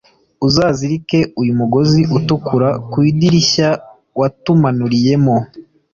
uzazirike uyu mugozi utukura ku idirishya watumanuriyemo